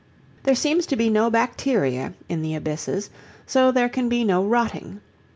There seems to be no bacteria in the abysses, so there can be no rotting.